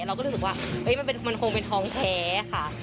เราก็รู้สึกว่ามันคงเป็นท้องแท้ค่ะ